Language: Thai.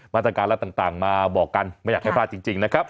มาตรการและต่างมาบอกกันไม่อยากให้พลาดจริงนะครับ